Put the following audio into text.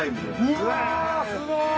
うわぁすごい！